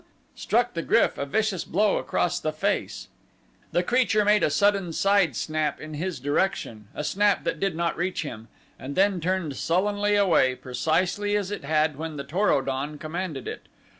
struck the GRYF a vicious blow across the face. The creature made a sudden side snap in his direction, a snap that did not reach him, and then turned sullenly away, precisely as it had when the Tor o don commanded it.